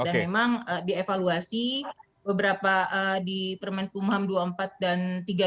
dan memang dievaluasi beberapa di permen kumham dua puluh empat dan tiga puluh dua